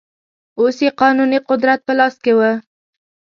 اوس یې قانوني قدرت په لاس کې و.